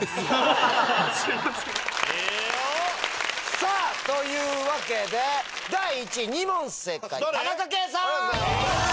さぁというわけで第１位２問正解田中圭さん！